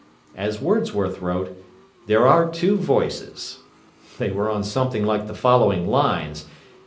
As Wordsworth wrote, "There are two voices". They were on something like the following lines.